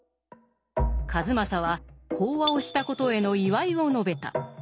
数正は講和をしたことへの祝いを述べた。